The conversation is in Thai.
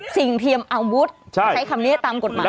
สิ่งเทียมอาวุธใช้คำนี้ตามกฎหมายนะคะ